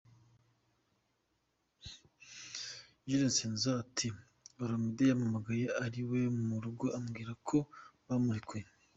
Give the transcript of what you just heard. Jules Nsana ati “Olomide yampamagaye ari iwe mu rugo ambwira ko bamurekuye.